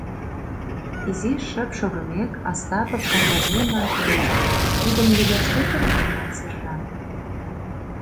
— Изиш шып шогымек, Остапов Кандалинлан пелештыш: — Тидым йодаш тый туныктенат, сержант?